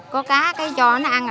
có cá cho nó ăn